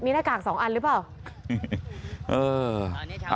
มีหน้ากาก๒อันหรือเปล่า